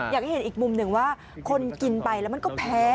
อยากให้เห็นอีกมุมหนึ่งว่าคนกินไปแล้วมันก็แพง